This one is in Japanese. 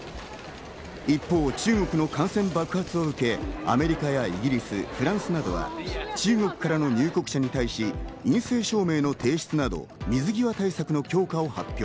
一方、中国の感染爆発を受け、アメリカやイギリス、フランスなどは中国からの入国者に対し、陰性証明の提出など、水際対策の強化を発表。